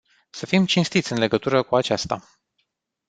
Să fim cinstiți în legătură cu aceasta.